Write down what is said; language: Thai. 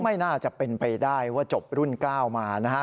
ไม่น่าจะเป็นไปได้ว่าจบรุ่น๙มานะฮะ